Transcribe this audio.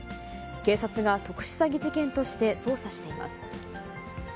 警察が特殊詐欺事件として、捜査しています。